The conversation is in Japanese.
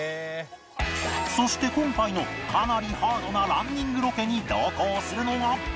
そして今回のかなりハードなランニングロケに同行するのが